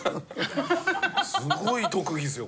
すごい特技っすよ